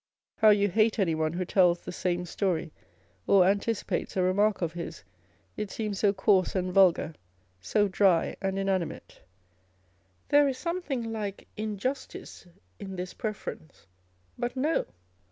How you hate anyone who tells the same story or anticipates a remark of his â€" it seems so coarse and vulgar, so dry and inani mate ! There is something like injustice in this preference but no